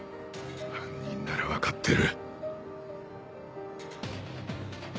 犯人なら分かってる。